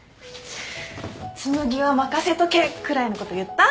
紬は任せとけくらいのこと言った？